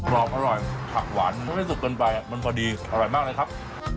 อมอร่อยผักหวานมันไม่สุกเกินไปมันพอดีอร่อยมากเลยครับ